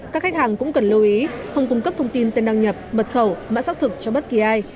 các khách hàng cũng cần lưu ý không cung cấp thông tin tên đăng nhập mật khẩu mã xác thực cho bất kỳ ai